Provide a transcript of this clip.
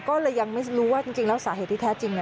ก็เลยยังไม่รู้ว่าจริงแล้วสาเหตุที่แท้จริง